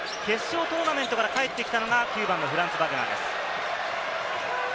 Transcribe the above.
決勝トーナメントから帰ってきたのがフランツ・バグナーです。